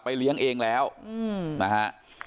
เลี้ยงเองแล้วนะฮะ